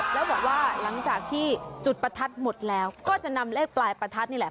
แล้วบอกว่าหลังจากที่จุดประทัดหมดแล้วก็จะนำเลขปลายประทัดนี่แหละ